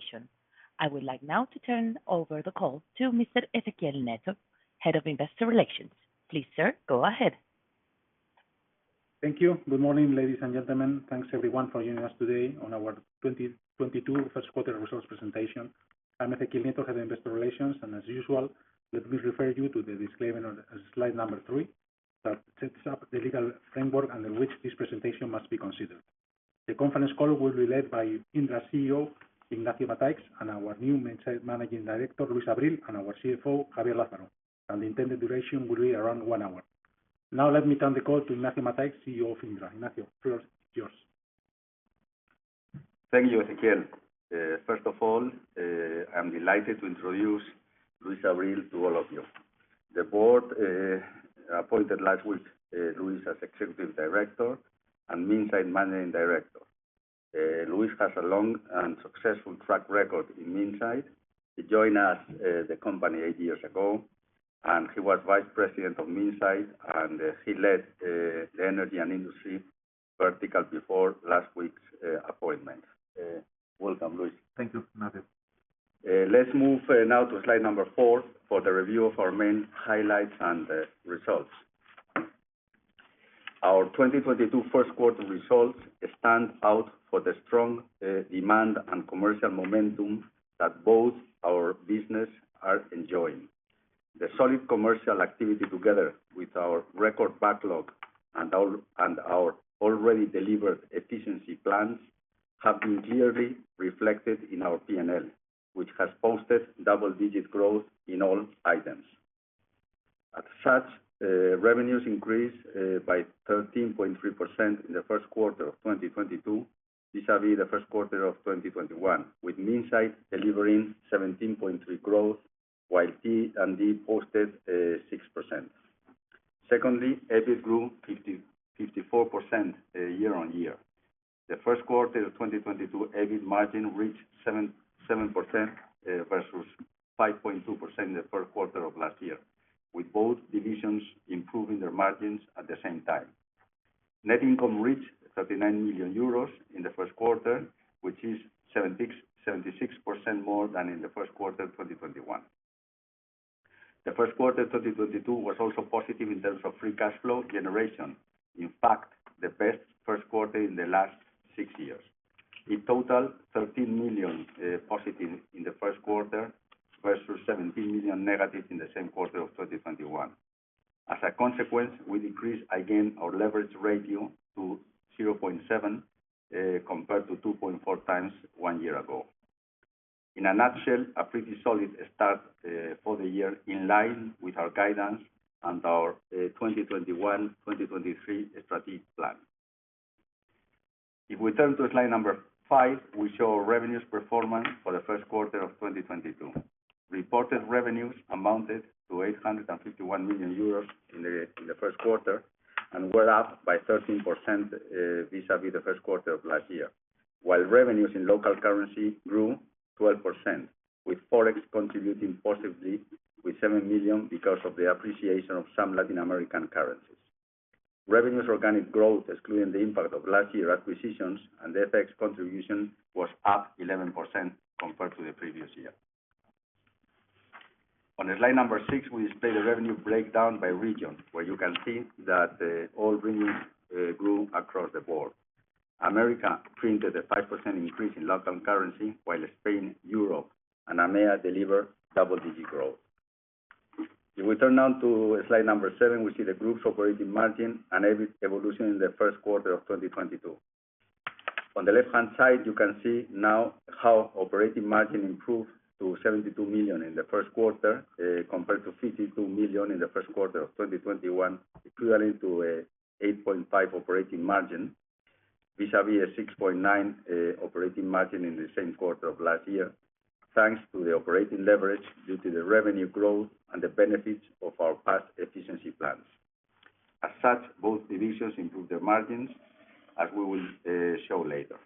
Presentation. I would like now to turn over the call to Mr. Ezequiel Nieto, Head of Investor Relations. Please sir, go ahead. Thank you. Good morning, ladies and gentlemen. Thanks everyone for joining us today on our 2022 first quarter results presentation. I'm Ezequiel Nieto, Head of Investor Relations, and as usual, let me refer you to the disclaimer on slide number three that sets up the legal framework under which this presentation must be considered. The conference call will be led by Indra's CEO, Ignacio Mataix, and our new Minsait Managing Director, Luis Abril, and our CFO, Javier Lázaro. The intended duration will be around one hour. Now let me turn the call to Ignacio Mataix, CEO of Indra. Ignacio, the floor is yours. Thank you, Ezequiel. First of all, I'm delighted to introduce Luis Abril to all of you. The board appointed last week Luis as Executive Director and Minsait Managing Director. Luis has a long and successful track record in Minsait. He joined us, the company eight years ago, and he was Vice President of Minsait, and he led the energy and industry vertical before last week's appointment. Welcome, Luis. Thank you, Ignacio. Let's move now to slide number four for the review of our main highlights and results. Our 2022 first quarter results stand out for the strong demand and commercial momentum that both our business are enjoying. The solid commercial activity together with our record backlog and our already delivered efficiency plans have been clearly reflected in our P&L, which has posted double-digit growth in all items. As such, revenues increased by 13.3% in the first quarter of 2022, vis-à-vis the first quarter of 2021, with Minsait delivering 17.3% growth, while T&D posted 6%. Secondly, EBIT grew 54% year-over-year. The first quarter of 2022 EBIT margin reached 7%, versus 5.2% in the first quarter of last year, with both divisions improving their margins at the same time. Net income reached 39 million euros in the first quarter, which is 76% more than in the first quarter of 2021. The first quarter of 2022 was also positive in terms of free cash flow generation. In fact, the best first quarter in the last six years. In total, 13 million positive in the first quarter versus 17 million negative in the same quarter of 2021. As a consequence, we decreased again our leverage ratio to 0.7, compared to 2.4x one year ago. In a nutshell, a pretty solid start for the year in line with our guidance and our 2021/2023 strategic plan. If we turn to slide five, we show revenues performance for the first quarter of 2022. Reported revenues amounted to 851 million euros in the first quarter, and were up by 13%, vis-à-vis the first quarter of last year. While revenues in local currency grew 12%, with Forex contributing positively with 7 million because of the appreciation of some Latin American currencies. Revenues organic growth, excluding the impact of last year acquisitions and FX contribution, was up 11% compared to the previous year. On slide six, we display the revenue breakdown by region, where you can see that all revenues grew across the board. America printed a 5% increase in local currency, while Spain, Europe, and AMEA delivered double-digit growth. If we turn now to slide number seven, we see the group's operating margin and EBIT evolution in the first quarter of 2022. On the left-hand side, you can see now how operating margin improved to 72 million in the first quarter, compared to 52 million in the first quarter of 2021, equivalent to an 8.5% operating margin, vis-à-vis a 6.9% operating margin in the same quarter of last year, thanks to the operating leverage due to the revenue growth and the benefits of our past efficiency plans. As such, both divisions improved their margins, as we will show later.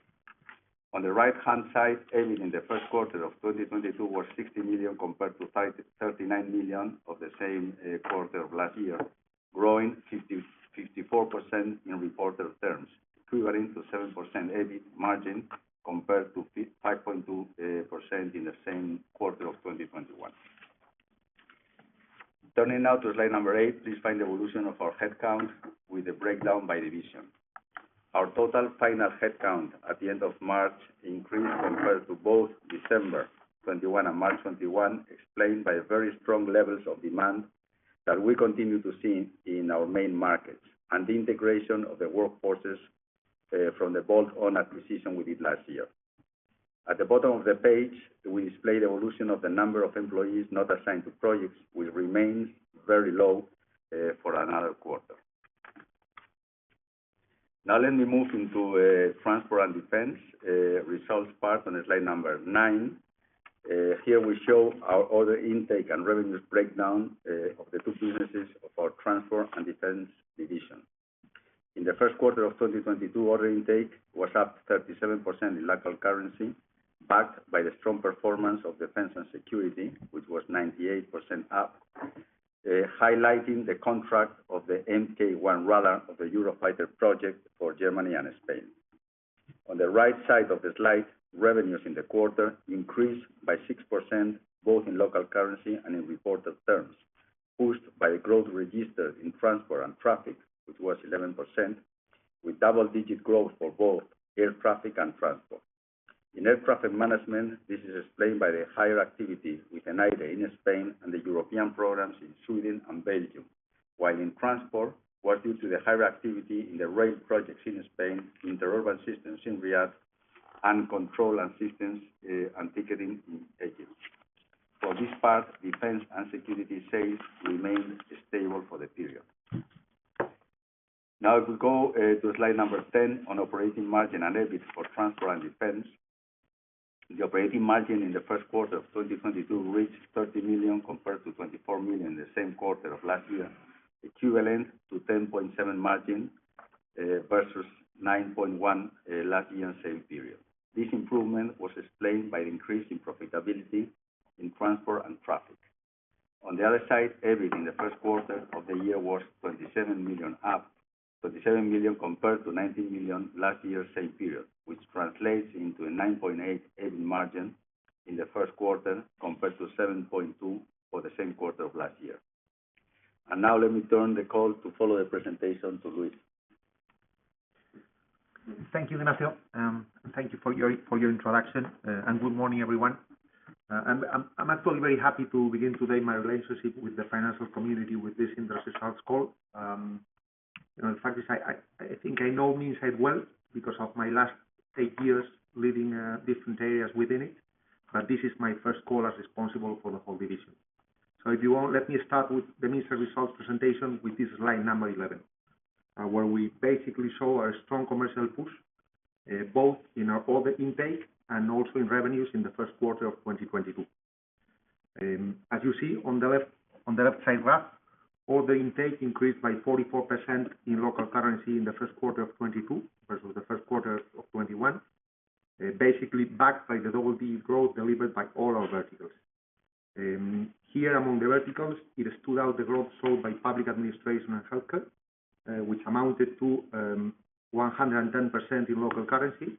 On the right-hand side, EBIT in the first quarter of 2022 was 60 million compared to 39 million of the same quarter of last year, growing 54% in reported terms, equivalent to 7% EBIT margin compared to 5.2% in the same quarter of 2021. Turning now to slide number eight, please find the evolution of our headcount with a breakdown by division. Our total final headcount at the end of March increased compared to both December 2021 and March 2021, explained by very strong levels of demand that we continue to see in our main markets, and the integration of the workforces from the bolt-on acquisition we did last year. At the bottom of the page, we display the evolution of the number of employees not assigned to projects, which remains very low for another quarter. Now let me move into Transport and Defense results part on slide number nine. Here we show our order intake and revenues breakdown of the two businesses of our Transport and Defense division. In the first quarter of 2022, order intake was up 37% in local currency, backed by the strong performance of Defense and Security, which was 98% up. Highlighting the contract of the MK1 radar of the Eurofighter project for Germany and Spain. On the right side of the slide, revenues in the quarter increased by 6%, both in local currency and in reported terms, pushed by the growth registered in transport and defense, which was 11%, with double-digit growth for both air traffic and transport. In air traffic management, this is explained by the higher activity with ENAIRE in Spain and the European programs in Sweden and Belgium. While in transport was due to the higher activity in the rail projects in Spain, interurban systems in Riyadh, and control and systems, and ticketing in Egypt. For this part, defense and security sales remained stable for the period. Now, if we go to slide number 10 on operating margin and EBIT for transport and defense. The operating margin in the first quarter of 2022 reached 30 million compared to 24 million the same quarter of last year, equivalent to 10.7% margin versus 9.1% last year same period. This improvement was explained by the increase in profitability in transport and traffic. On the other side, EBIT in the first quarter of the year was 27 million, up 27 million compared to 19 million last year same period, which translates into a 9.8% EBIT margin in the first quarter compared to 7.2% for the same quarter of last year. Now let me turn the call to follow the presentation to Luis. Thank you, Ignacio. Thank you for your introduction, and good morning, everyone. I'm actually very happy to begin today my relationship with the financial community with this industry results call. You know, the fact is I think I know Minsait well because of my last eight years leading different areas within it, but this is my first call as responsible for the whole division. If you all let me start with the Minsait results presentation with this slide number 11, where we basically show our strong commercial push both in our order intake and also in revenues in the first quarter of 2022. As you see on the left, on the left side graph, order intake increased by 44% in local currency in the first quarter of 2022 versus the first quarter of 2021. Basically backed by the double-digit growth delivered by all our verticals. Here among the verticals, it stood out the growth saw by public administration and healthcare, which amounted to 110% in local currency,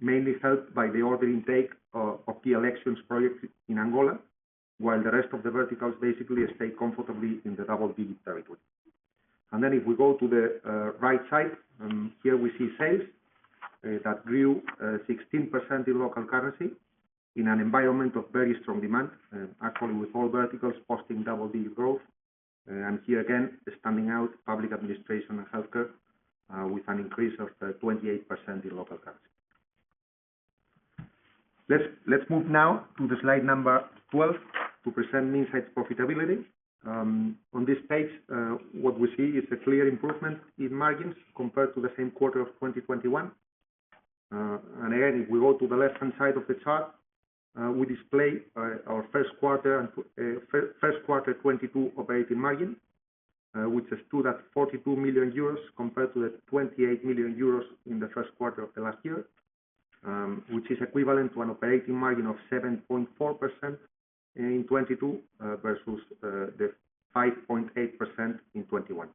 mainly helped by the order intake of the elections project in Angola, while the rest of the verticals basically stay comfortably in the double-digit territory. If we go to the right side, here we see sales that grew 16% in local currency in an environment of very strong demand, actually with all verticals posting double-digit growth. Here again, standing out public administration and healthcare, with an increase of 28% in local currency. Let's move now to the slide number 12 to present Minsait's profitability. On this page, what we see is a clear improvement in margins compared to the same quarter of 2021. And again, if we go to the left-hand side of the chart, we display our first quarter 2022 operating margin, which stood at 42 million euros compared to the 28 million euros in the first quarter of the last year, which is equivalent to an operating margin of 7.4% in 2022, versus the 5.8% in 2021.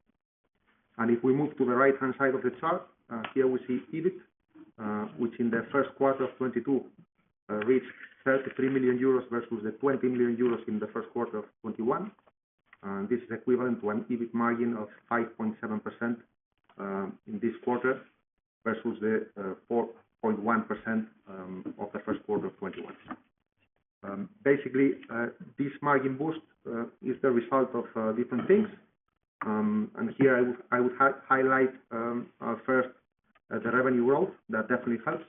If we move to the right-hand side of the chart, here we see EBIT, which in the first quarter of 2022, reached EUR 33 million versus the 20 million euros in the first quarter of 2021. This is equivalent to an EBIT margin of 5.7% in this quarter versus the 4.1% of the first quarter of 2021. Basically, this margin boost is the result of different things. Here I would highlight first the revenue growth. That definitely helps.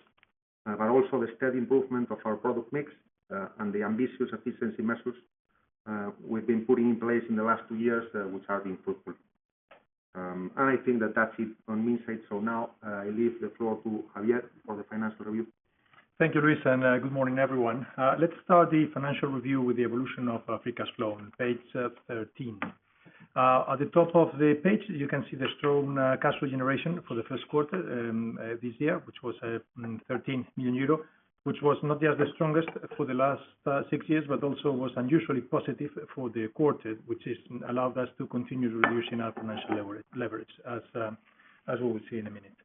Also the steady improvement of our product mix and the ambitious efficiency measures we've been putting in place in the last two years, which are being fruitful. I think that that's it on Minsait. Now, I leave the floor to Javier for the financial review. Thank you, Luis, and good morning, everyone. Let's start the financial review with the evolution of free cash flow on page 13. At the top of the page, you can see the strong cash flow generation for the first quarter this year, which was 13 million euro, which was not just the strongest for the last six years, but also was unusually positive for the quarter, which has allowed us to continue reducing our financial leverage as we will see in a minute.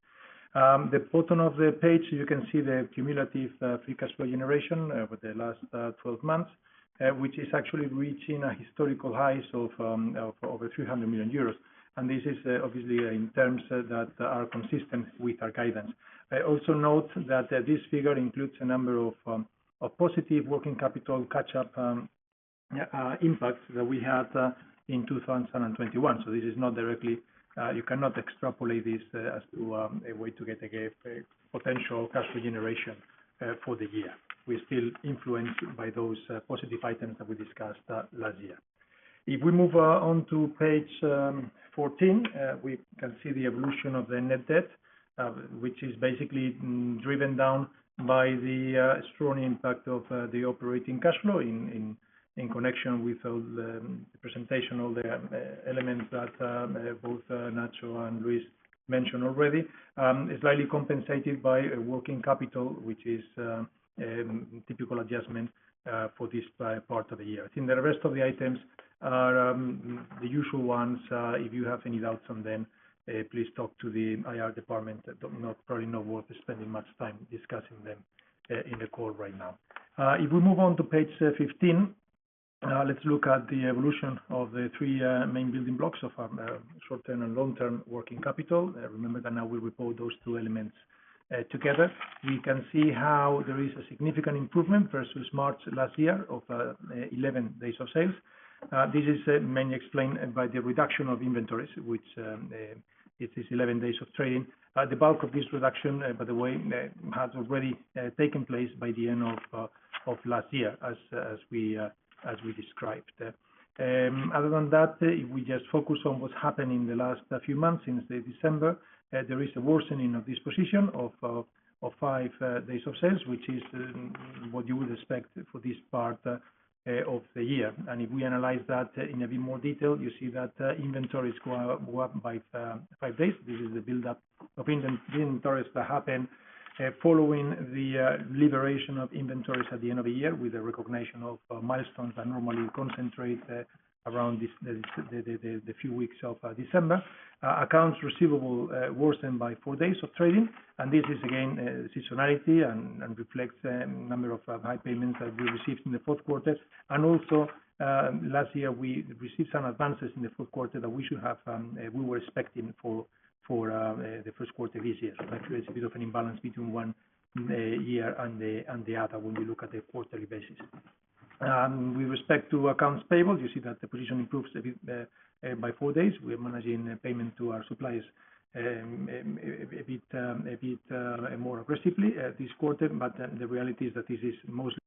The bottom of the page, you can see the cumulative free cash flow generation over the last 12 months, which is actually reaching a historical high of over 300 million euros. This is obviously in terms that are consistent with our guidance. I also note that this figure includes a number of positive working capital catch-up impacts that we had in 2021. This is not directly. You cannot extrapolate this as to a way to get a potential cash flow generation for the year. We're still influenced by those positive items that we discussed last year. If we move onto page 14, we can see the evolution of the net debt, which is basically driven down by the strong impact of the operating cash flow in connection with all the elements that both Nacho and Luis mentioned already. Slightly compensated by a working capital, which is typical adjustment for this part of the year. I think the rest of the items are the usual ones. If you have any doubts on them, please talk to the IR department. Probably not worth spending much time discussing them in the call right now. If we move on to page fifteen. Now let's look at the evolution of the three main building blocks of our short-term and long-term working capital. Remember that now we report those two elements together. We can see how there is a significant improvement versus March last year of 11 days of sales. This is mainly explained by the reduction of inventories, which it is 11 days of trading. The bulk of this reduction, by the way, has already taken place by the end of last year as we described. Other than that, if we just focus on what's happened in the last few months since the December, there is a worsening of this position of five days of sales, which is what you would expect for this part of the year. If we analyze that in a bit more detail, you see that inventories go up by five days. This is the buildup of inventories that happened following the liberation of inventories at the end of the year with the recognition of milestones that normally concentrate around the few weeks of December. Accounts receivable worsened by four days of trading, and this is again seasonality and reflects a number of high payments that we received in the fourth quarter. Last year we received some advances in the fourth quarter that we should have we were expecting for the first quarter of this year. That creates a bit of an imbalance between one year and the other when we look at the quarterly basis. With respect to accounts payable, you see that the position improves a bit by four days. We're managing payment to our suppliers a bit more aggressively this quarter. The reality is that this is mostly.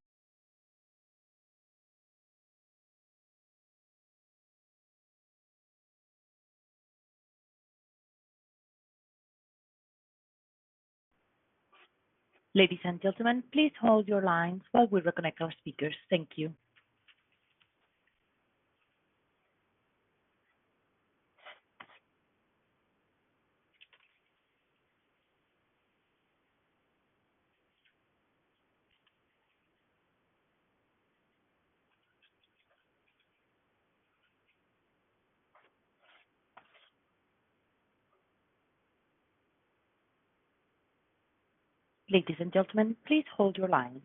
Ladies and gentlemen, please hold your lines while we reconnect our speakers. Thank you. Ladies and gentlemen, please hold your lines.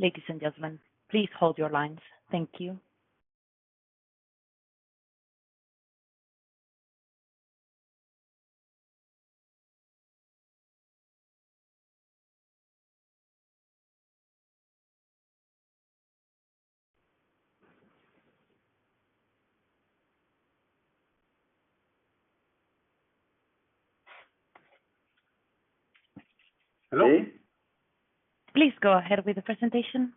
Ladies and gentlemen, please hold your lines. Thank you. Hello? Please go ahead with the presentation.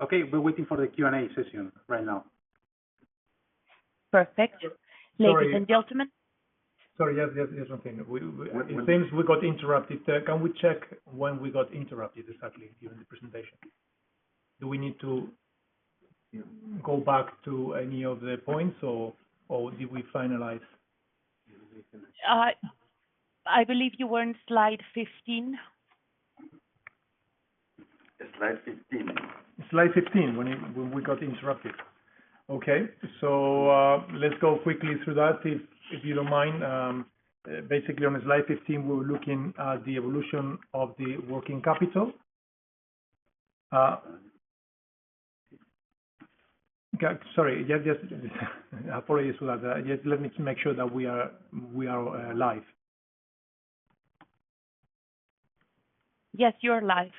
Okay. We're waiting for the Q&A session right now. Perfect. Sorry. Ladies and gentlemen. Sorry. Yes, there's something. What is it? It seems we got interrupted. Can we check when we got interrupted exactly during the presentation? Do we need to go back to any of the points or did we finalize? I believe you were on slide 15. Slide 15. Slide 15 when we got interrupted. Okay. Let's go quickly through that if you don't mind. Basically on slide 15, we're looking at the evolution of the working capital. Sorry. Apologies for that. Just let me make sure that we are live. Yes, you are live.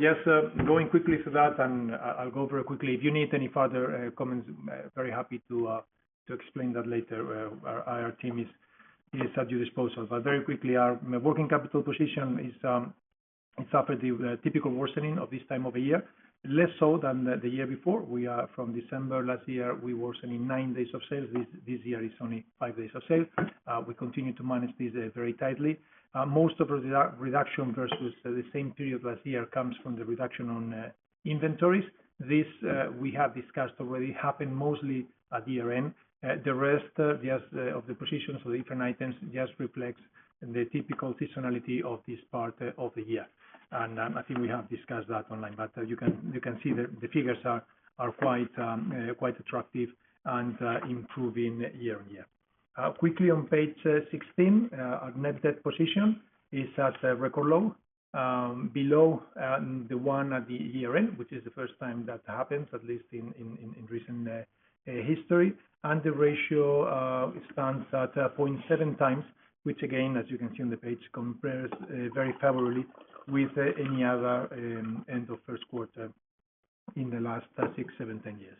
Just going quickly through that, and I'll go very quickly. If you need any further comments, very happy to explain that later. Our team is at your disposal. Very quickly, our working capital position has suffered the typical worsening of this time of the year, less so than the year before. From December last year, we were worsening nine days of sales. This year it's only five days of sales. We continue to manage this very tightly. Most of the reduction versus the same period last year comes from the reduction on inventories. This we have discussed already, happened mostly at year-end. The rest of the positions for different items just reflects the typical seasonality of this part of the year. I think we have discussed that online. You can see the figures are quite attractive and improving year-over-year. Quickly on page 16, our net debt position is at a record low, below the one at the year-end, which is the first time that happens, at least in recent history. The ratio stands at 0.7x, which again, as you can see on the page, compares very favorably with any other end of first quarter, in the last six, seven, 10 years.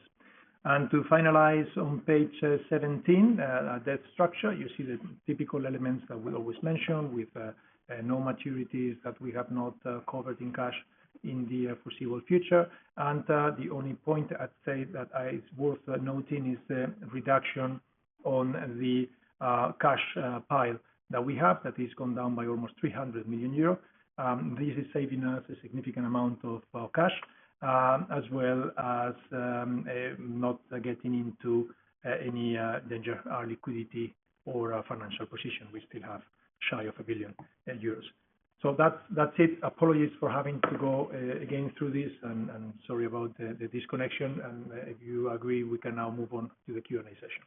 To finalize, on page 17, debt structure, you see the typical elements that we always mention, with no maturities that we have not covered in cash in the foreseeable future. The only point I'd say that it's worth noting is the reduction on the cash pile that we have. That has gone down by almost 300 million euros. This is saving us a significant amount of cash, as well as not getting into any danger to our liquidity or our financial position. We still have shy of 1 billion euros. That's it. Apologies for having to go again through this and sorry about the disconnection. If you agree, we can now move on to the Q&A session.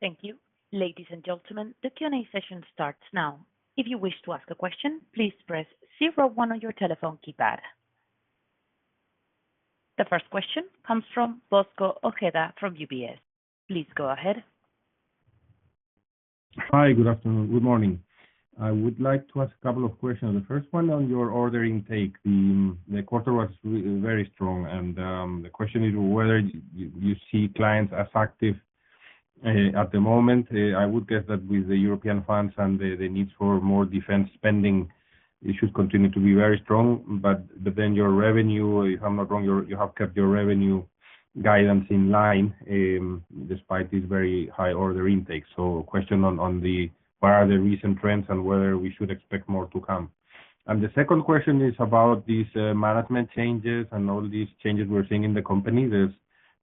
Thank you. Ladies and gentlemen, the Q&A session starts now. If you wish to ask a question, please press zero-one on your telephone keypad. The first question comes from Bosco Ojeda from UBS. Please go ahead. Hi. Good afternoon. Good morning. I would like to ask a couple of questions. The first one on your order intake. The quarter was really very strong and the question is whether you see clients as active at the moment. I would guess that with the European funds and the needs for more defense spending, it should continue to be very strong. Then your revenue, if I'm not wrong, you have kept your revenue guidance in line despite this very high order intake. Question on the recent trends and whether we should expect more to come? The second question is about these management changes and all these changes we're seeing in the company. There's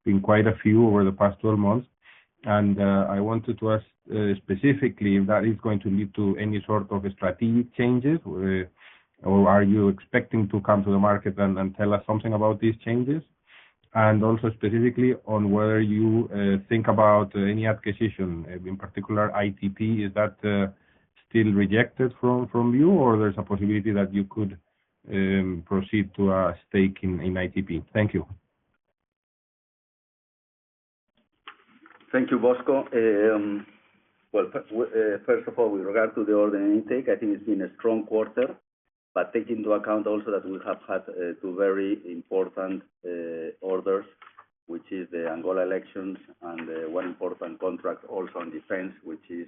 been quite a few over the past 12 months, and I wanted to ask specifically if that is going to lead to any sort of strategic changes, or are you expecting to come to the market and tell us something about these changes? Also specifically on whether you think about any acquisition, in particular ITP. Is that still rejected from you, or there's a possibility that you could proceed to a stake in ITP? Thank you. Thank you, Bosco. Well, first of all, with regard to the order intake, I think it's been a strong quarter, but take into account also that we have had two very important orders, which is the Angola elections and one important contract also on defense, which is,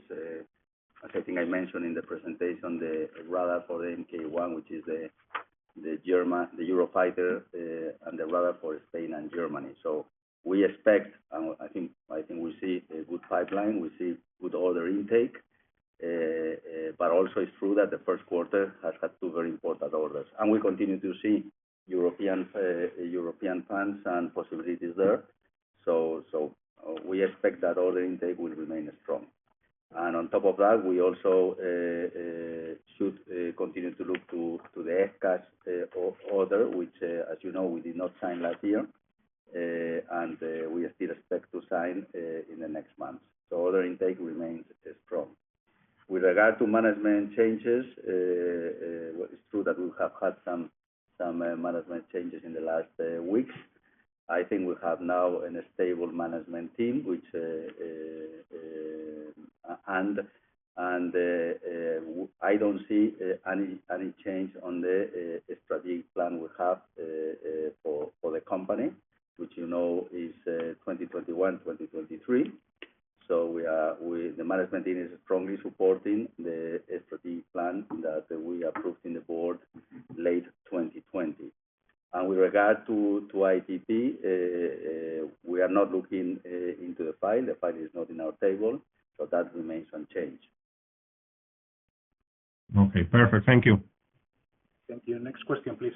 as I think I mentioned in the presentation, the radar for the MK1, which is the Eurofighter, and the radar for Spain and Germany. We expect, and I think we see a good pipeline. We see good order intake. But also it's true that the first quarter has had two very important orders. We continue to see European plans and possibilities there. We expect that order intake will remain strong. On top of that, we also should continue to look to the FCAS order, which, as you know, we did not sign last year, and we still expect to sign in the next months. Order intake remains strong. With regard to management changes, it's true that we have had some management changes in the last weeks. I think we have now a stable management team, which I don't see any change on the strategic plan we have for the company, which you know is 2021-2023. The management team is strongly supporting the strategic plan that we approved in the board late 2020. With regard to ITP, we are not looking into the file. The file is not in our table, so that remains unchanged. Okay. Perfect. Thank you. Thank you. Next question please.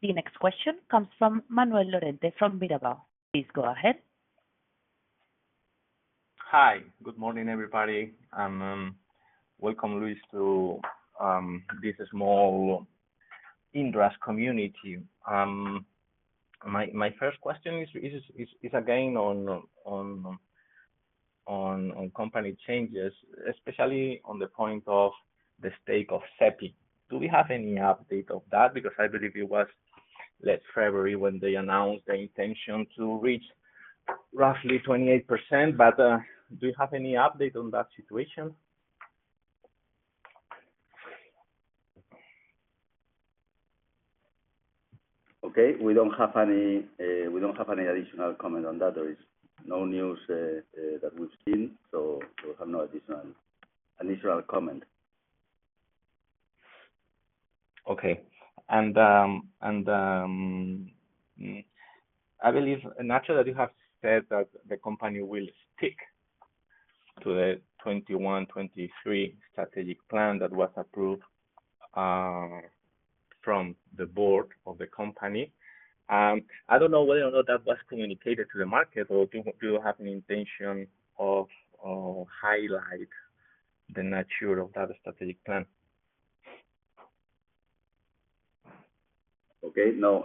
The next question comes from Manuel Lorente from Mirabaud. Please go ahead. Hi. Good morning, everybody. Welcome, Luis, to this small Indra community. My first question is again on company changes, especially on the point of the stake of SEPI. Do we have any update of that? Because I believe it was last February when they announced the intention to reach roughly 28%, but do you have any update on that situation? Okay. We don't have any additional comment on that. There is no news that we've seen, so we have no additional comment. Okay. I believe, naturally, you have said that the company will stick to the 2021-2023 strategic plan that was approved from the board of the company. I don't know whether or not that was communicated to the market. Do you have an intention of highlight the nature of that strategic plan? Okay. No,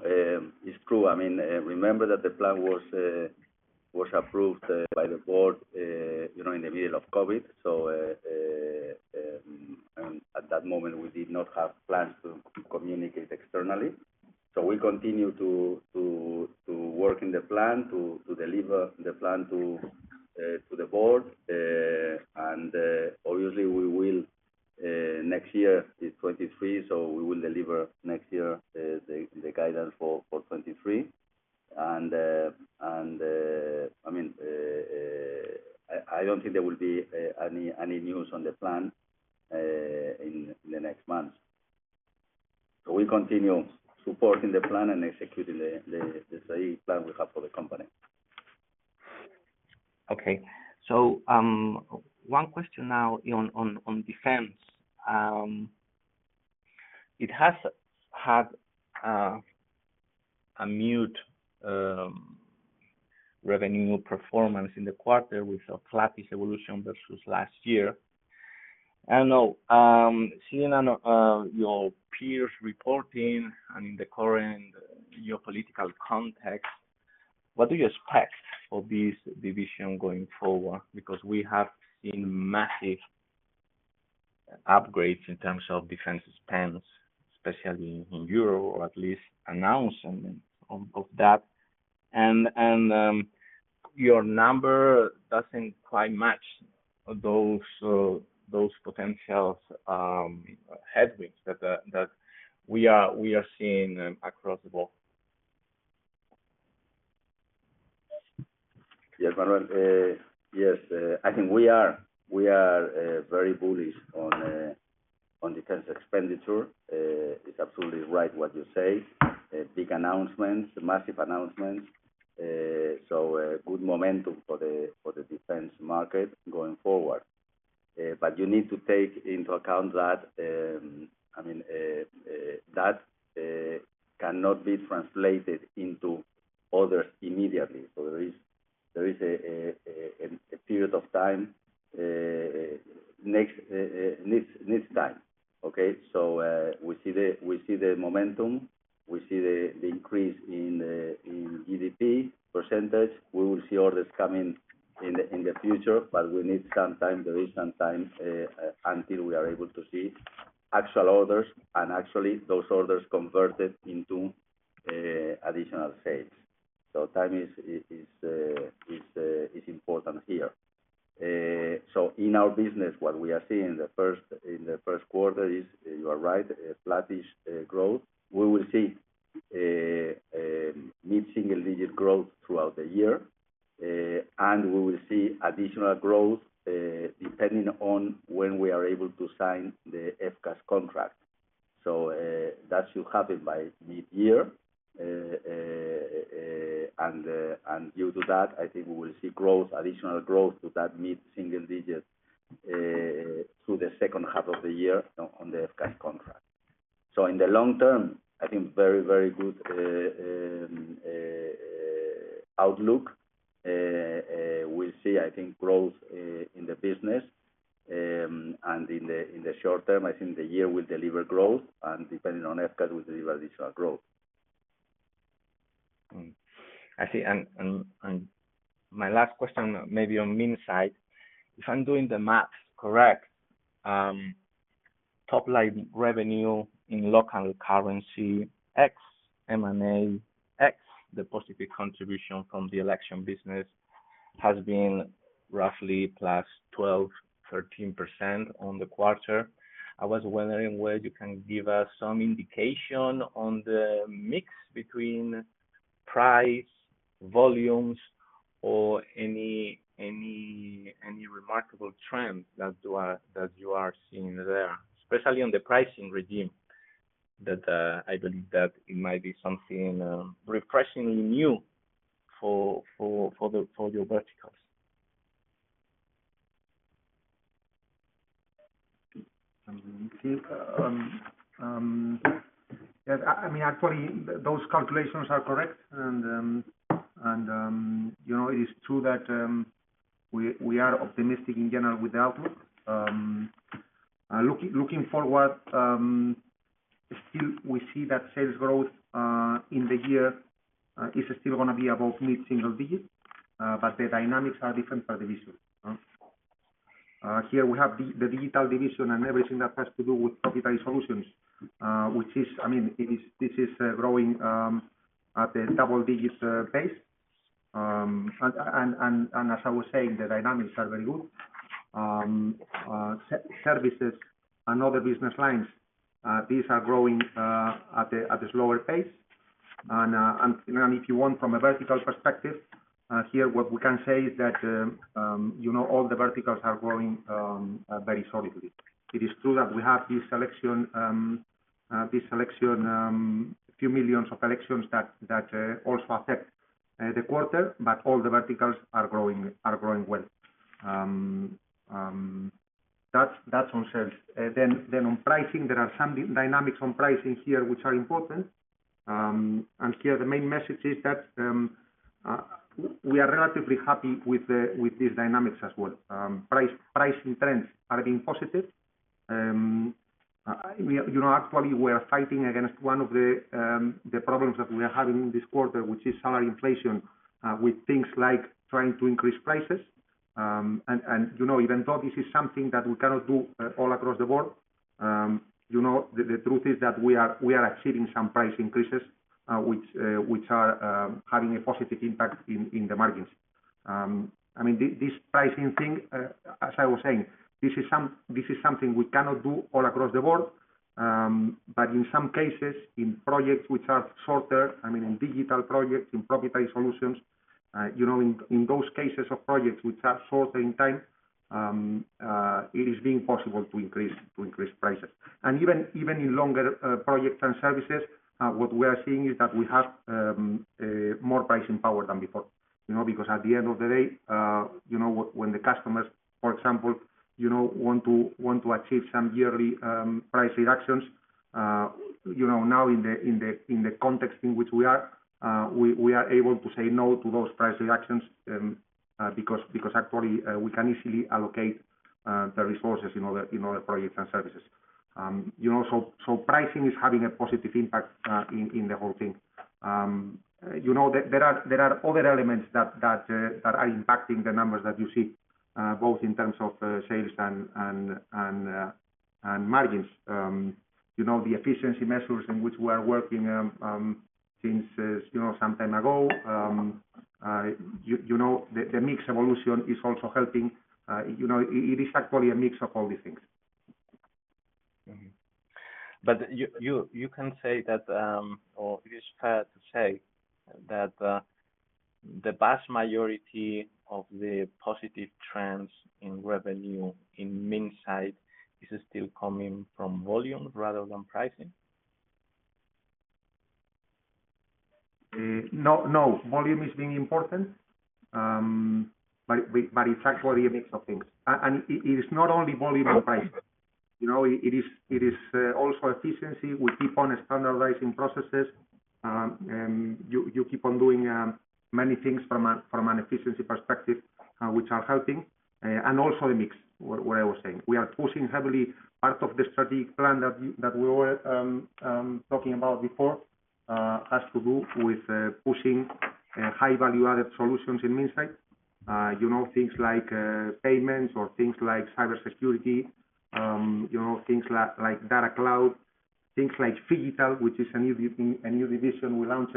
it's true. I mean, remember that the plan was approved by the board, you know, in the middle of COVID. At that moment, we did not have plans to communicate externally. We continue to work in the plan to deliver the plan to the board. Obviously we will, next year is 2023, so we will deliver next year the guidance for 2023. I mean, I don't think there will be any news on the plan in the next months. We continue supporting the plan and executing the strategy plan we have for the company. Okay. One question now on defense. It has had a muted revenue performance in the quarter with a flattish evolution versus last year. I don't know, seeing your peers reporting and in the current geopolitical context, what do you expect of this division going forward? Because we have seen massive upgrades in terms of defense spending, especially in Europe, or at least announcement of that. Your number doesn't quite match those potential headwinds that we are seeing across the board. Yes, Manuel. Yes, I think we are very bullish on defense expenditure. It's absolutely right what you say. Big announcements, massive announcements. A good momentum for the defense market going forward. You need to take into account that, I mean, that cannot be translated into orders immediately. There is a period of time needs time. Okay? We see the momentum, we see the increase in EDP percentage. We will see orders coming in the future, but we need some time. There is some time until we are able to see actual orders, and actually those orders converted into additional sales. Time is important here. In our business, what we are seeing in the first quarter is, you are right, a flattish growth. We will see mid-single digit growth throughout the year. We will see additional growth depending on when we are able to sign the FCAS contract. That should happen by mid-year. Due to that, I think we will see growth, additional growth to that mid-single digit, through the second half of the year on the FCAS contract. In the long term, I think very, very good outlook. We see, I think, growth in the business. In the short term, I think the year will deliver growth, and depending on FCAS, will deliver additional growth. I see. My last question maybe on Minsait side. If I'm doing the math correct, top line revenue in local currency ex M&A, ex the positive contribution from the election business has been roughly +12% to 13% on the quarter. I was wondering whether you can give us some indication on the mix between price, volumes or any remarkable trends that you are seeing there, especially on the pricing regime that I believe that it might be something refreshingly new for your verticals. Yeah, I mean, actually those calculations are correct. You know, it is true that we are optimistic in general with the outlook. Looking forward, still we see that sales growth in the year is still gonna be above mid-single digits, but the dynamics are different per division. Here we have the digital division and everything that has to do with proprietary solutions, which is, I mean, this is growing at a double-digit pace. As I was saying, the dynamics are very good. Services and other business lines, these are growing at a slower pace. If you want from a vertical perspective, here what we can say is that, you know, all the verticals are growing very solidly. It is true that we have this election, few million elections that also affect the quarter, but all the verticals are growing well. That's on sales. On pricing, there are some dynamics on pricing here which are important. Here the main message is that we are relatively happy with these dynamics as well. Pricing trends are being positive. You know, actually we are fighting against one of the problems that we are having in this quarter, which is salary inflation, with things like trying to increase prices. You know, even though this is something that we cannot do all across the board, you know, the truth is that we are achieving some price increases, which are having a positive impact in the margins. I mean, this pricing thing, as I was saying, this is something we cannot do all across the board. In some cases, in projects which are shorter, I mean, in digital projects, in property solutions, you know, in those cases of projects which are shorter in time, it is being possible to increase prices. Even in longer projects and services, what we are seeing is that we have more pricing power than before. You know, because at the end of the day, you know, when the customers, for example, you know, want to achieve some yearly price reductions, you know, now in the context in which we are, we are able to say no to those price reductions, because actually, we can easily allocate the resources in other projects and services. You know, pricing is having a positive impact in the whole thing. You know, there are other elements that are impacting the numbers that you see, both in terms of sales and margins. You know, the efficiency measures in which we are working since some time ago. You know, the mix evolution is also helping, you know. It is actually a mix of all these things. You can say that, or it is fair to say that, the vast majority of the positive trends in revenue in Minsait is still coming from volume rather than pricing? No, no. Volume is being important, but it's actually a mix of things. It is not only volume or pricing. You know, it is also efficiency. We keep on standardizing processes. You keep on doing many things from an efficiency perspective, which are helping. Also the mix, what I was saying. We are pushing heavily part of the strategic plan that we were talking about before, has to do with pushing high value-added solutions in Minsait. You know, things like payments or things like cybersecurity, you know, things like data cloud, things like phygital, which is a new division we launched,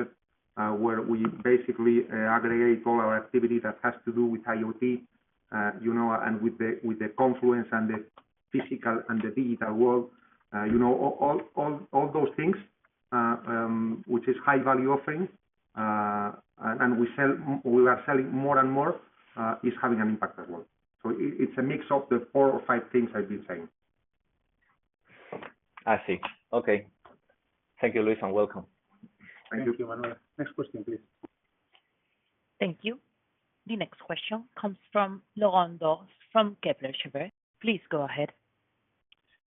where we basically aggregate all our activity that has to do with IoT, you know, and with the confluence and the physical and the digital world. You know, all those things, which is high value offering, and we are selling more and more, is having an impact as well. It's a mix of the four or five things I've been saying. I see. Okay. Thank you, Luis, and welcome. Thank you, Manuel. Next question, please. Thank you. The next question comes from Laurent Daure from Kepler Cheuvreux. Please go ahead.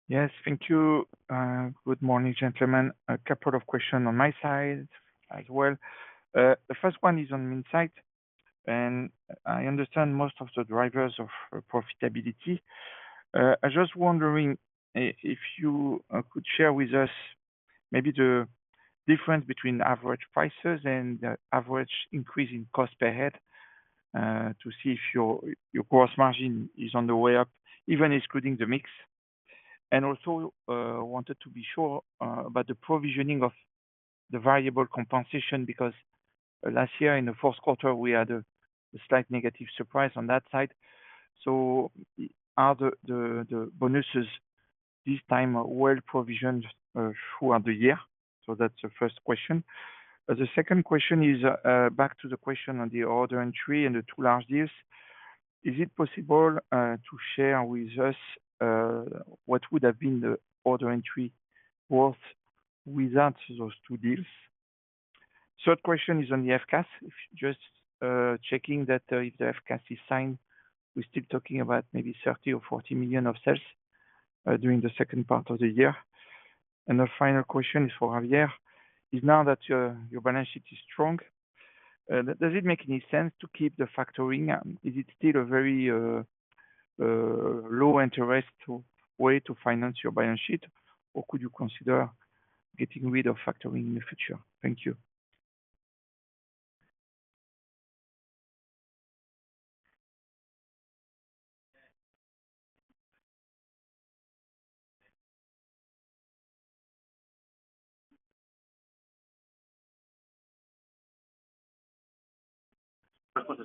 Yes, thank you. Good morning, gentlemen. A couple of questions on my side as well. The first one is on Minsait, and I understand most of the drivers of profitability. I just wondering if you could share with us maybe the difference between average prices and the average increase in cost per head, to see if your gross margin is on the way up, even excluding the mix. Also, wanted to be sure about the provisioning of the variable compensation, because last year in the fourth quarter, we had a slight negative surprise on that side. So are the bonuses this time well provisioned throughout the year? That's the first question. The second question is back to the question on the order entry and the two large deals. Is it possible to share with us what would have been the order entry worth without those two deals? Third question is on the FCAS. Just checking that if the FCAS is signed, we're still talking about maybe 30 million or 40 million of sales during the second part of the year. The final question is for Javier, now that your balance sheet is strong, does it make any sense to keep the factoring? Is it still a very low interest way to finance your balance sheet? Or could you consider getting rid of factoring in the future? Thank you. Okay,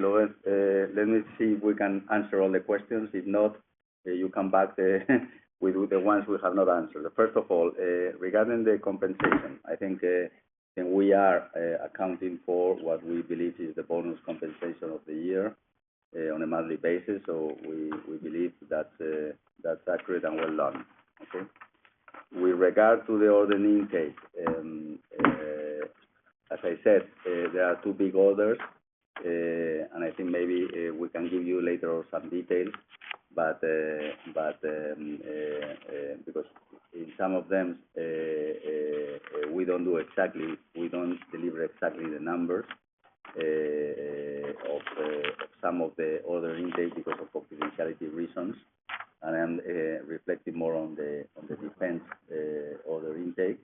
Laurent. Let me see if we can answer all the questions. If not, you come back with the ones we have not answered. First of all, regarding the compensation, I think we are accounting for what we believe is the bonus compensation of the year on a monthly basis. We believe that's accurate and well done. Okay? With regard to the order intake, as I said, there are two big orders. I think maybe we can give you later on some details. But because in some of them we don't deliver exactly the numbers of some of the order intake because of confidentiality reasons. Reflecting more on the defense order intake.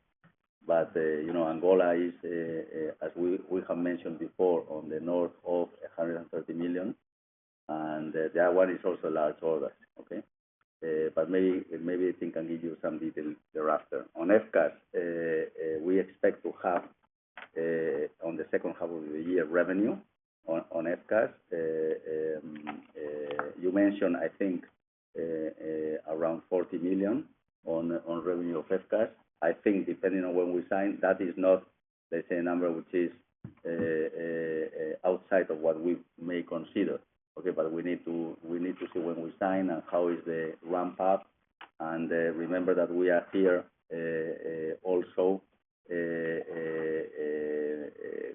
You know, Angola is, as we have mentioned before, north of 130 million. That one is also a large order. Okay. Maybe I think I'll give you some detail thereafter. On FCAS, we expect to have, on the second half of the year, revenue on FCAS. You mentioned, I think, around 40 million on revenue of FCAS. I think depending on when we sign, that is not, let's say, a number which is outside of what we may consider. Okay. We need to see when we sign and how is the ramp-up. Remember that we are here also a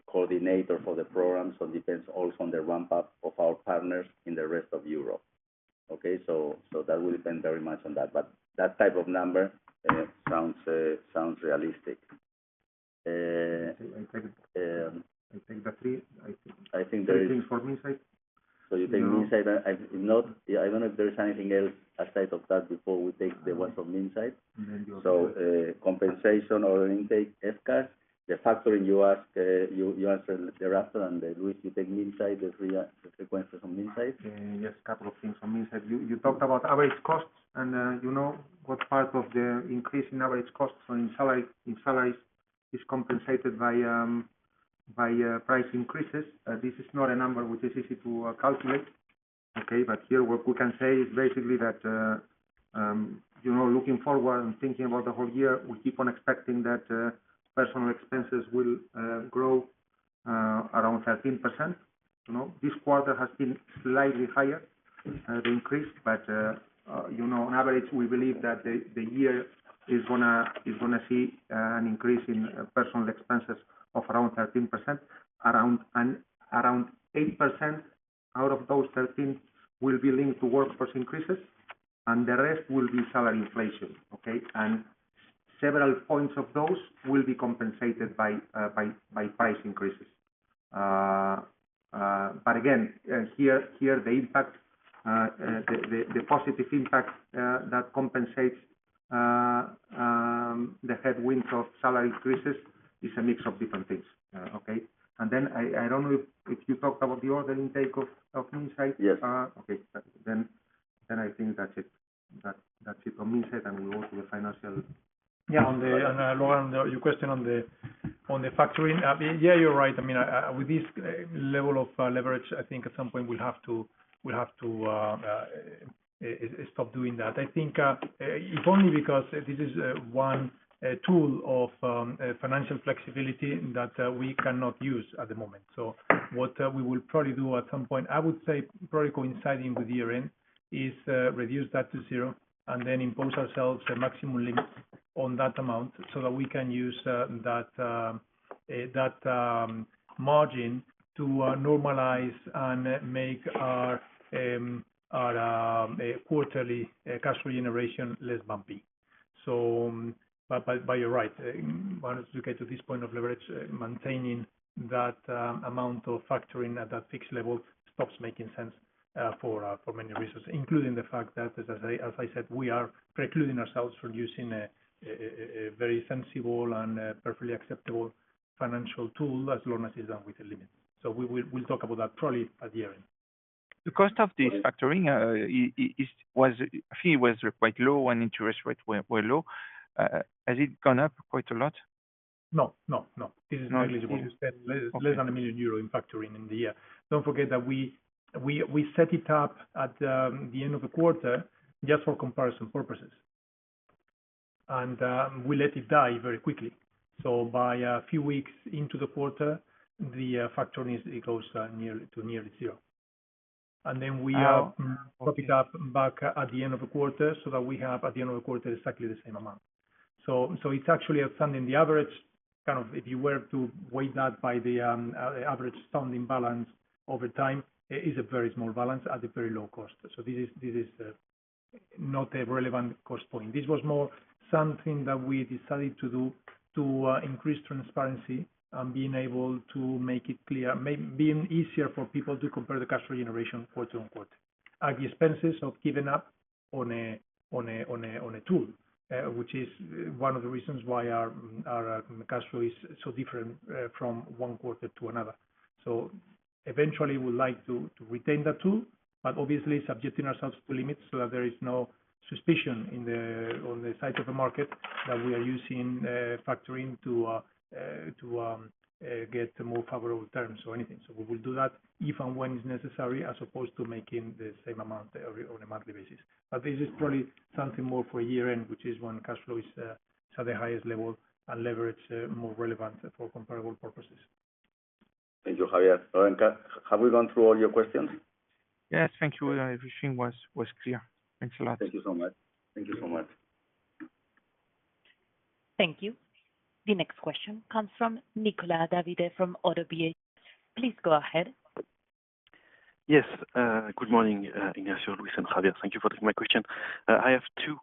coordinator for the program, so depends also on the ramp up of our partners in the rest of Europe. Okay? So that will depend very much on that. But that type of number sounds realistic. I take that three. I think there is. Three things for me inside. You take me inside. I don't know if there is anything else aside from that before we take the ones from inside. Compensation or intake FCAS. The factoring, you ask, you answer thereafter. Luis, you take the inside, the three sequences from inside. Yes, a couple of things from inside. You talked about average costs. You know what part of the increase in average costs on salaries is compensated by price increases. This is not a number which is easy to calculate, okay? Here what we can say is basically that, you know, looking forward and thinking about the whole year, we keep on expecting that personal expenses will grow around 13%. You know, this quarter has been slightly higher, the increase. You know, on average, we believe that the year is gonna see an increase in personal expenses of around 13%. Around 8% out of those 13% will be linked to workforce increases, and the rest will be salary inflation. Okay? Several points of those will be compensated by price increases. Again, here the impact, the positive impact that compensates the headwind of salary increases is a mix of different things. Okay? I don't know if you talked about the order intake of Indra. Yes. Okay. I think that's it. That's it from inside. We go to the financial. Yeah. Laurent, your question on the factoring. Yeah, you're right. I mean, with this level of leverage, I think at some point we'll have to stop doing that. I think if only because this is one tool of financial flexibility that we cannot use at the moment. What we will probably do at some point, I would say probably coinciding with year-end, is reduce that to zero and then impose ourselves a maximum limit on that amount so that we can use that margin to normalize and make our quarterly cash generation less bumpy. But you're right. Once you get to this point of leverage, maintaining that amount of factoring at that fixed level stops making sense for many reasons, including the fact that, as I said, we are precluding ourselves from using a very sensible and perfectly acceptable financial tool as long as it's done with a limit. We'll talk about that probably at the year-end. The cost of the factoring fee was quite low when interest rates were low. Has it gone up quite a lot? No, no. It's negligible. Less than 1 million euro in factoring in the year. Don't forget that we set it up at the end of the quarter just for comparison purposes. We let it die very quickly. By a few weeks into the quarter, the factoring is close to nearly zero. Then we prop it up back at the end of the quarter so that we have at the end of the quarter exactly the same amount. It's actually something, the average, kind of if you were to weight that by the average standing balance over time. It is a very small balance at a very low cost. This is not a relevant cost point. This was more something that we decided to do to increase transparency and to be able to make it clear, making it easier for people to compare the cash generation quote-unquote, at the expense of giving up on a tool, which is one of the reasons why our cash flow is so different from one quarter to another. Eventually we'd like to retain that tool, but obviously subjecting ourselves to limits so that there is no suspicion on the side of the market that we are using factoring to get more favorable terms or anything. We will do that if and when it's necessary, as opposed to making the same amount every month on a monthly basis. This is probably something more for year-end, which is when cash flow is at the highest level and leverage more relevant for comparable purposes. Thank you, Javier. Laurent, have we gone through all your questions? Yes. Thank you. Everything was clear. Thanks a lot. Thank you so much. Thank you so much. Thank you. The next question comes from Nicolas David from ODDO BHF. Please go ahead. Yes. Good morning, Ignacio, Luis, and Javier. Thank you for taking my question. I have two,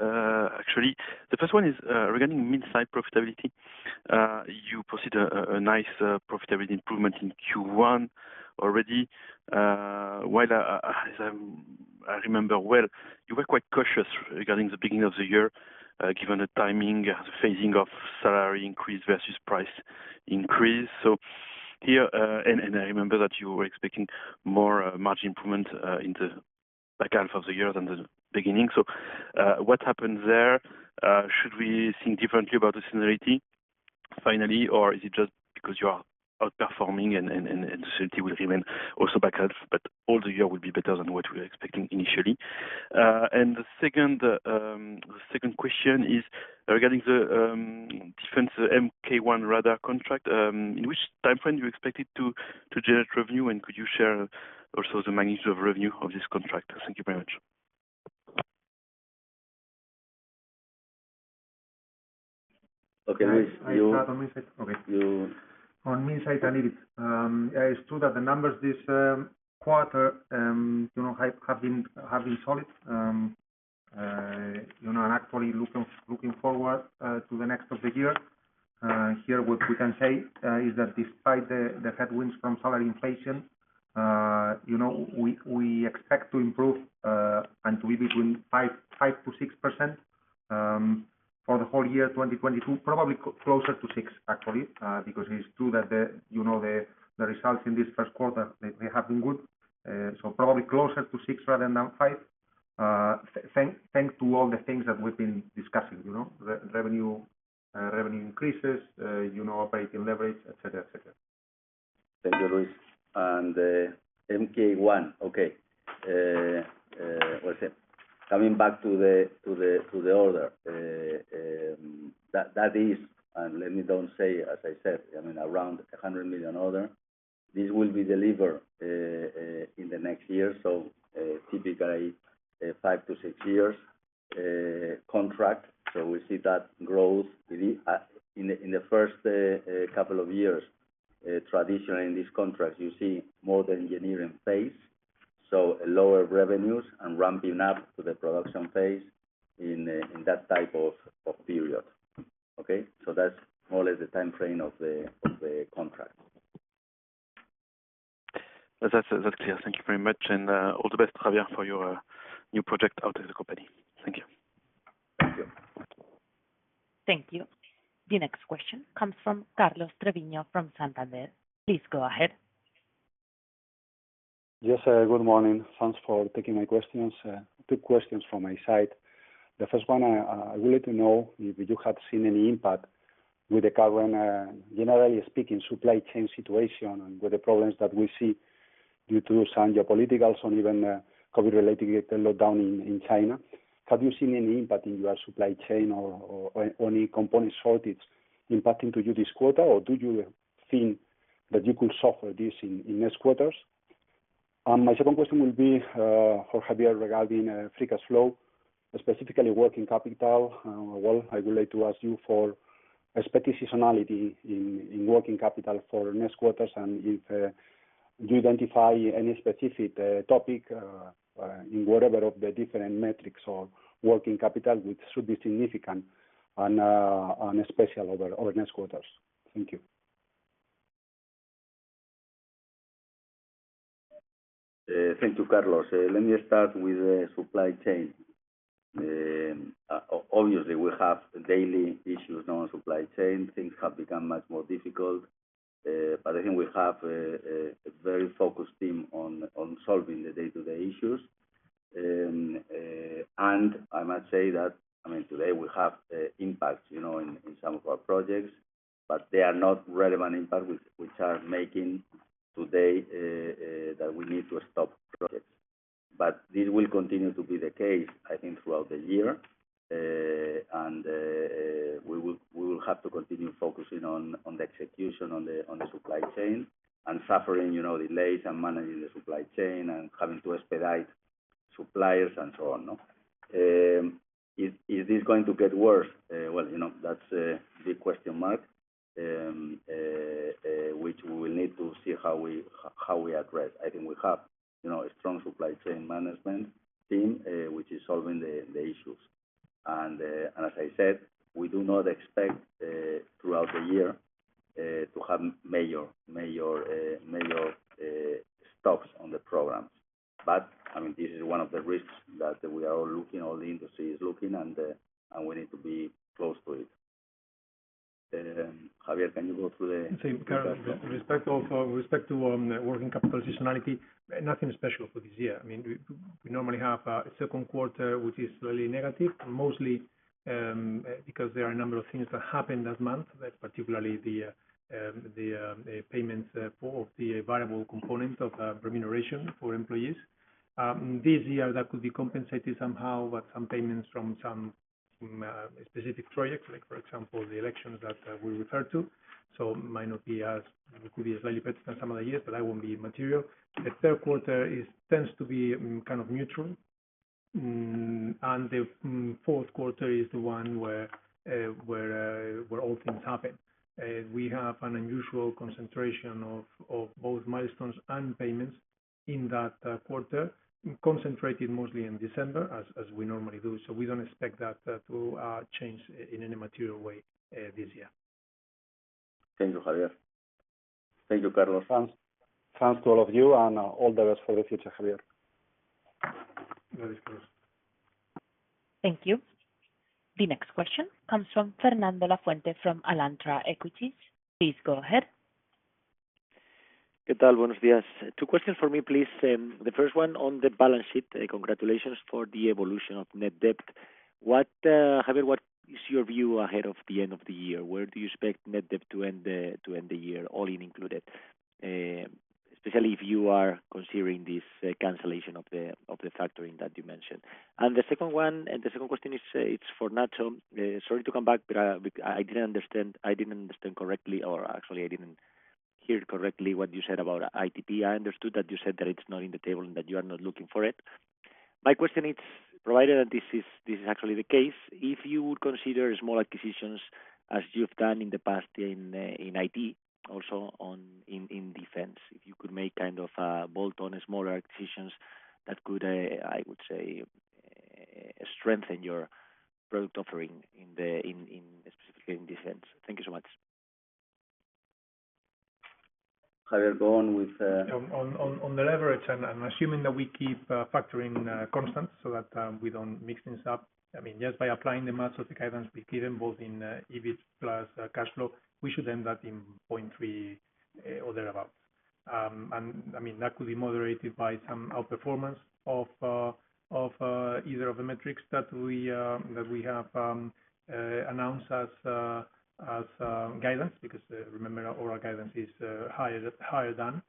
actually. The first one is, regarding Minsait profitability. You've achieved a nice profitability improvement in Q1 already. While, as I remember well, you were quite cautious regarding the beginning of the year, given the timing, the phasing of salary increase versus price increase. Here, and I remember that you were expecting more, margin improvement, in the back half of the year than the beginning. What happened there? Should we think differently about the seasonality finally, or is it just because you are outperforming and so it will remain also back half, but the whole year will be better than what we are expecting initially? The second question is regarding the defense MK1 radar contract. In which time frame do you expect it to generate revenue, and could you share also the magnitude of revenue of this contract? Thank you very much. Okay. Luis, I start on this side? Okay. You- On my side, I need it. It's true that the numbers this quarter, you know, have been solid. Actually looking forward to the rest of the year. Here, what we can say is that despite the headwinds from salary inflation, you know, we expect to improve and to be between 5%-6% for the whole year, 2022. Probably closer to 6%, actually, because it's true that, you know, the results in this first quarter, they have been good. So probably closer to 6% rather than 5%. Thanks to all the things that we've been discussing, you know? The revenue increases, you know, operating leverage, etc. Thank you, Luis. MK1. Okay. What's it? Coming back to the order. That is, as I said, I mean, around 100 million order. This will be delivered in the next year, so typically five to six year contract. We see that growth really in the first couple of years. Traditionally in this contract you see more the engineering phase, so lower revenues and ramping up to the production phase in that type of period. Okay. That's more or less the timeframe of the contract. That's clear. Thank you very much. All the best, Javier, for your new project out of the company. Thank you. Thank you. Thank you. The next question comes from Carlos Treviño from Santander. Please go ahead. Yes, good morning. Thanks for taking my questions. Two questions from my side. The first one, I would like to know if you have seen any impact with the current, generally speaking, supply chain situation and with the problems that we see due to some geopolitics or even, COVID-related lockdown in China. Have you seen any impact in your supply chain or any component shortage impacting to you this quarter, or do you think that you could suffer this in next quarters? My second question will be, for Javier regarding, free cash flow, specifically working capital. Well, I would like to ask you for expected seasonality in working capital for next quarters, and if you identify any specific topic in whatever of the different metrics or working capital which should be significant and special over next quarters. Thank you. Thank you, Carlos. Let me start with the supply chain. Obviously, we have daily issues now on supply chain. Things have become much more difficult. I think we have a very focused team on solving the day-to-day issues. I might say that, I mean, today we have impacts, you know, in some of our projects, but they are not relevant impact which are making today that we need to stop projects. This will continue to be the case, I think, throughout the year. We will have to continue focusing on the execution on the supply chain and suffering, you know, delays and managing the supply chain and having to expedite suppliers and so on, no? Is this going to get worse? Well, you know, that's a big question mark, which we will need to see how we address. I think we have, you know, a strong supply chain management team, which is solving the issues. As I said, we do not expect, throughout the year, to have major stops on the programs. I mean, this is one of the risks that we are all looking, all the industry is looking and we need to be close to it. Javier, can you go through the cash flow? Sure. With respect to working capital seasonality, nothing special for this year. I mean, we normally have second quarter, which is slightly negative, mostly because there are a number of things that happen that month. That's particularly the payments for the variable component of remuneration for employees. This year, that could be compensated somehow with some payments from some specific projects, like for example, the elections that we referred to. It could be a little bit less than some other years, but that won't be material. The third quarter tends to be kind of neutral. The fourth quarter is the one where all things happen. We have an unusual concentration of both milestones and payments in that quarter, concentrated mostly in December as we normally do. We don't expect that to change in any material way this year. Thank you, Javier. Thank you, Carlos. Thanks. Thanks to all of you and all the best for the future, Javier. Gracias. Thank you. The next question comes from Fernando Lafuente from Alantra Equities. Please go ahead. Two questions for me, please. The first one on the balance sheet. Congratulations for the evolution of net debt. What, Javier, is your view ahead of the end of the year? Where do you expect net debt to end the year, all-in included? Especially if you are considering this cancellation of the factoring in that dimension. The second question is, it's for Nacho. Sorry to come back, but I didn't understand correctly, or actually, I didn't hear correctly what you said about ITP. I understood that you said that it's not in the table and that you are not looking for it. My question is, provided that this is actually the case, if you would consider small acquisitions as you've done in the past in IT, also in defense. If you could make kind of bolt-on smaller acquisitions that could, I would say, strengthen your product offering specifically in this sense. Thank you so much. Javier, go on with. On the leverage, I'm assuming that we keep factoring constant so that we don't mix things up. I mean, just by applying the math of the guidance we've given, both in EBIT plus cash flow, we should end that in 0.3 or thereabout. I mean, that could be moderated by some outperformance of either of the metrics that we have announced as guidance. Because remember our overall guidance is higher than.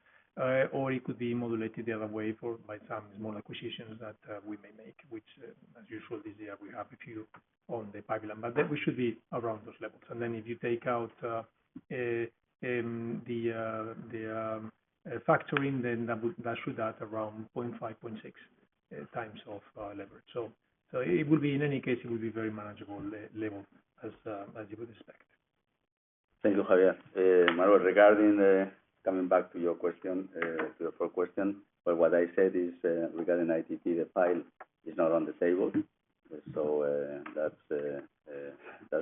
Or it could be modulated the other way by some small acquisitions that we may make, which, as usual, this year we have a few in the pipeline. That we should be around those levels. If you take out the factoring, then that should add around 0.5x, 0.6x of leverage. It would be, in any case, it would be very manageable level, as you would expect. Thank you, Javier. Manuel, regarding coming back to your question, to your first question. What I said is, regarding ITP, the file is not on the table. That's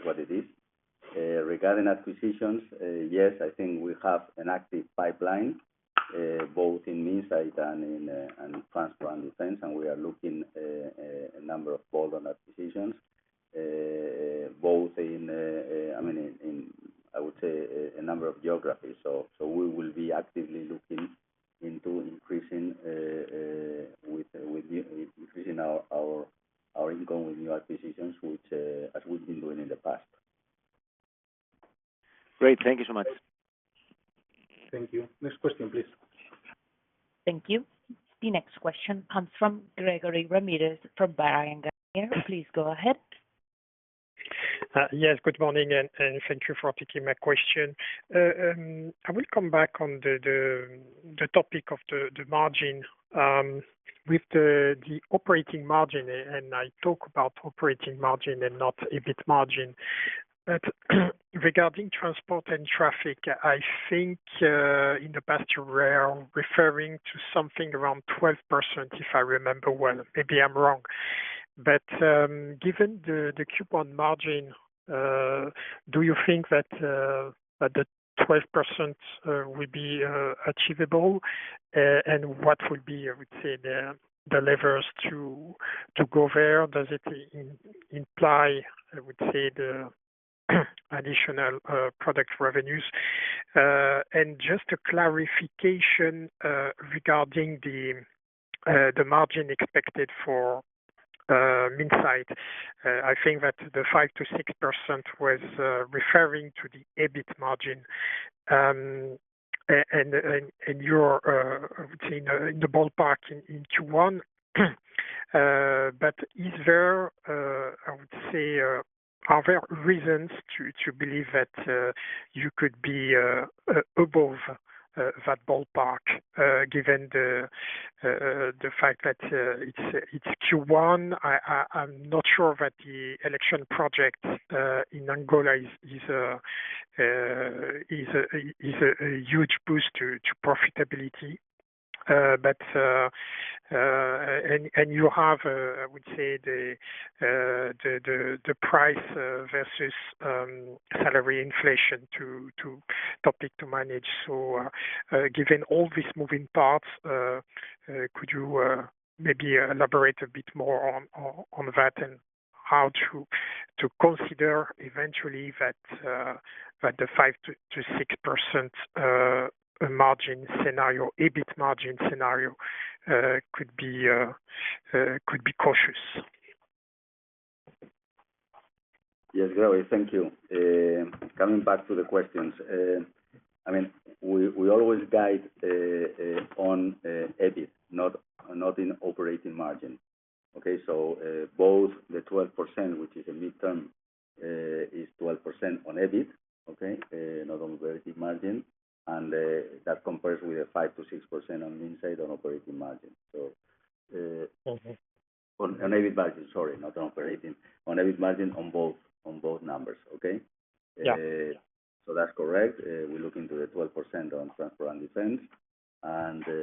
what it is. Regarding acquisitions, yes, I think we have an active pipeline, both in Minsait and in Transport and Defense, and we are looking at a number of bolt-on acquisitions, both in, I mean, I would say, a number of geographies. We will be actively looking into increasing our income with new acquisitions, which as we've been doing in the past. Great. Thank you so much. Thank you. Next question, please. Thank you. The next question comes from Grégoire Ramirez from Bryan Garnier. Please go ahead. Yes. Good morning, and thank you for taking my question. I will come back on the topic of the margin with the operating margin, and I talk about operating margin and not EBIT margin. Regarding Transport Defence, I think in the past you were referring to something around 12%, if I remember well. Maybe I'm wrong. Given the current margin, do you think that the 12% will be achievable? What would be, I would say, the levers to go there? Does it imply, I would say, the additional product revenues? Just a clarification regarding the margin expected for Minsait. I think that the 5%-6% was referring to the EBIT margin, and you're, I would say, in the ballpark in Q1. Is there, I would say, are there reasons to believe that you could be above that ballpark, given the fact that it's Q1? I'm not sure that the election project in Angola is a huge boost to profitability. You have, I would say, the price versus salary inflation tough to manage. Given all these moving parts, could you maybe elaborate a bit more on that and how to consider eventually that the 5%-6% margin scenario, EBIT margin scenario, could be cautious? Yes, Grégoire. Thank you. Coming back to the questions. I mean, we always guide on EBIT, not in operating margin. Okay? Both the 12%, which is a mid-term, is 12% on EBIT, okay? Not on operating margin. That compares with the 5%-6% on Minsait on operating margin. On EBIT margin, sorry, not on operating. On EBIT margin on both numbers. Okay? Yeah. That's correct. We're looking to the 12% on Transport and Defense.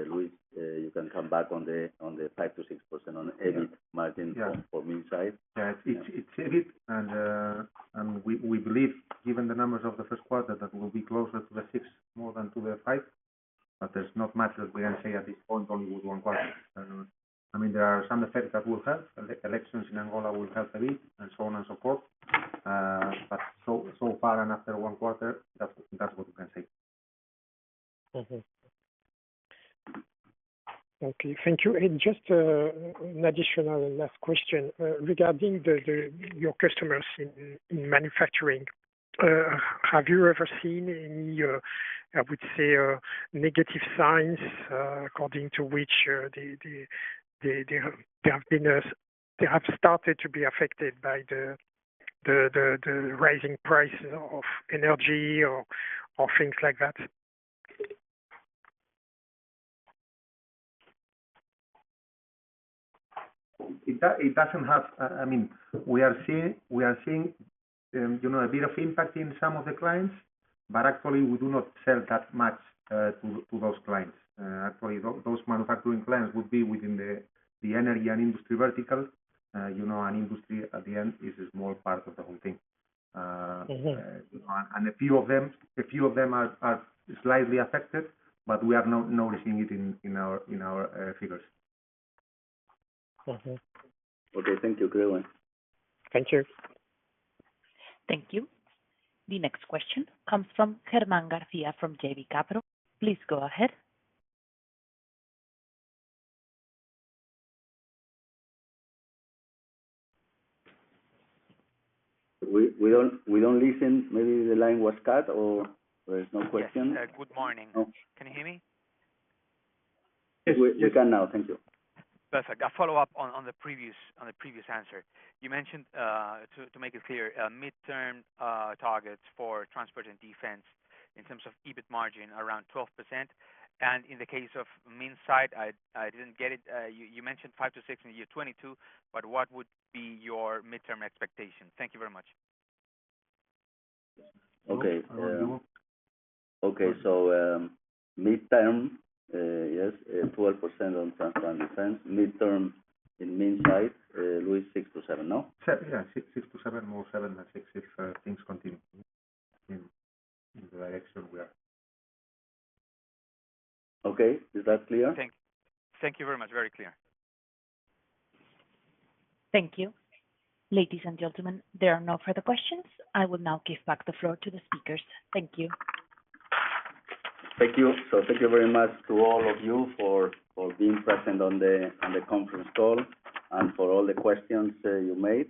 Luis, you can come back on the 5%-6% on the EBIT margin. Yeah. from Minsait. Yeah. It's EBIT. We believe given the numbers of the first quarter that we'll be closer to the 6% more than to the 5%. There's not much that we can say at this point only with one quarter. I mean, there are some effects that we'll have. The elections in Angola will have a bit and so on and so forth. Far and after one quarter, that's what we can say. Okay, thank you. Just an additional and last question regarding your customers in manufacturing. Have you ever seen any, I would say, negative signs according to which they have started to be affected by the rising price of energy or things like that? It doesn't have. I mean, we are seeing you know, a bit of impact in some of the clients, but actually we do not sell that much to those clients. Actually, those manufacturing clients would be within the energy and industry vertical. You know, and industry at the end is a small part of the whole thing. Mm-hmm. A few of them are slightly affected, but we are not noticing it in our figures. Okay. Thank you. Clear one. Thank you. Thank you. The next question comes from Germán García from JB Capital. Please go ahead. We don't listen. Maybe the line was cut or there's no question. Yes. Good morning. Can you hear me? You can now. Thank you. Perfect. A follow-up on the previous answer. You mentioned to make it clear, midterm targets for transport and defense in terms of EBIT margin around 12%. In the case of Minsait, I didn't get it. You mentioned 5%-6% in the year 2022, but what would be your midterm expectation? Thank you very much. Okay. I will go. Okay. Midterm, yes, 12% on Transport & Defence. Midterm in Minsait, Luis, 6%-7%, no? Yeah. six to seven, more seven than six if things continue in the direction we are. Okay. Is that clear? Thank you very much. Very clear. Thank you. Ladies and gentlemen, there are no further questions. I will now give back the floor to the speakers. Thank you. Thank you. Thank you very much to all of you for being present on the conference call and for all the questions you made.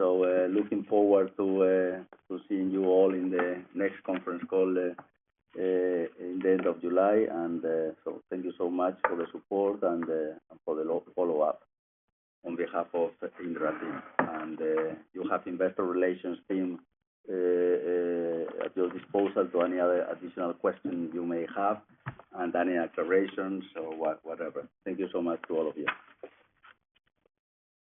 Looking forward to seeing you all in the next conference call in the end of July. Thank you so much for the support and for the follow-up on behalf of Indra team. You have investor relations team at your disposal to any other additional questions you may have and any clarifications or whatever. Thank you so much to all of you.